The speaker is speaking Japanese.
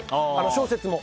小説も。